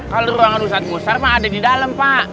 kalau ruangan ustadz mukhtar mah ada di dalem pak